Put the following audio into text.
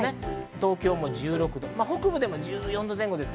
東京も１６度、北部でも１４度前後です。